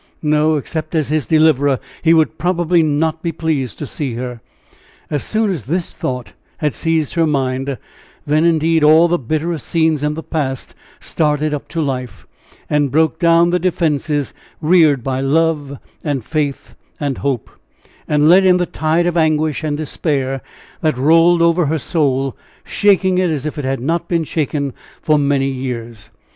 No! except as his deliverer, he would probably not be pleased to see her. As soon as this thought had seized her mind, then, indeed, all the bitterer scenes in the past started up to life, and broke down the defenses reared by love, and faith, and hope, and let in the tide of anguish and despair that rolled over her soul, shaking it as it had not been shaken for many years.